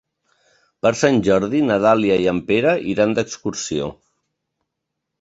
Per Sant Jordi na Dàlia i en Pere iran d'excursió.